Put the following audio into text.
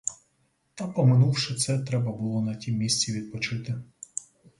Та, поминувши це, треба було на тім місці відпочити.